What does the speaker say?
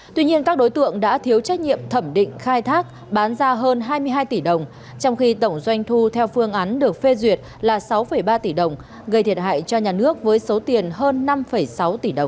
tuy nhiên các đối tượng đã thiếu trách nhiệm thẩm định khai thác bán ra hơn hai mươi hai tỷ đồng trong khi tổng doanh thu theo phương án được phê duyệt là sáu ba tỷ đồng gây thiệt hại cho nhà nước với số tiền hơn năm sáu tỷ đồng